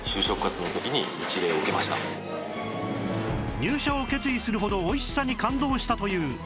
入社を決意するほど美味しさに感動したという商品とは？